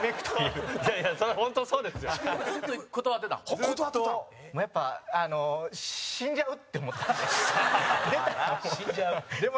草薙：やっぱ死んじゃうって思ったんで出たら、もう。